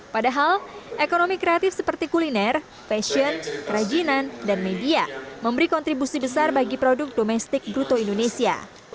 padahal ekonomi kreatif seperti kuliner fashion kerajinan dan media memberi kontribusi besar bagi produk domestik bruto indonesia